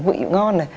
vị ngon này